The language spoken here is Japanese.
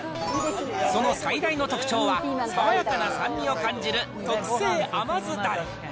その最大の特徴は、爽やかな酸味を感じる特製甘酢だれ。